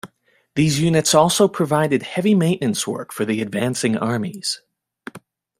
These units also provided heavy maintenance work for the advancing armies.